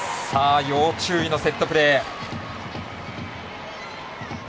要注意のセットプレー。